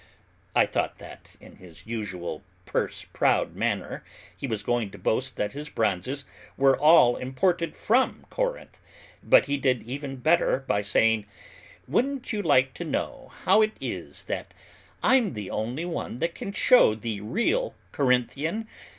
I thought that, in his usual purse proud manner, he was going to boast that his bronzes were all imported from Corinth, but he did even better by saying, "Wouldn't you like to know how it is that I'm the only one that can show the real Corinthian?